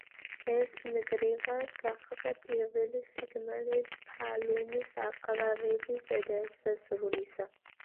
ეს ნგრევა გახდა პირველი სიგნალი ფალუნის აყვავების დასასრულისა.